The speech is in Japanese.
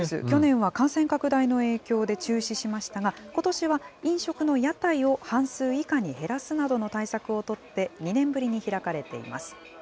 去年は感染拡大の影響で中止しましたが、ことしは飲食の屋台を半数以下に減らすなどの対策を取って、２年ぶりに開かれています。